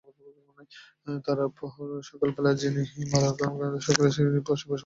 তার ওপর সকাল বেলা বিনি দোষে এই মার-কেন সংসারে কি বসে বসে খাই?